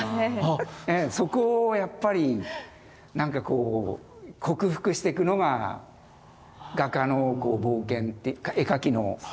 そこをやっぱりなんかこう克服していくのが画家の冒険絵描きの。